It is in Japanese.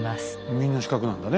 みんな四角なんだね